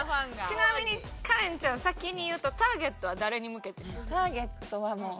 ちなみにカレンちゃん先に言うとターゲットは誰に向けてなん？ターゲットはもう。